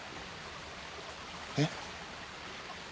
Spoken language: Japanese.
えっ？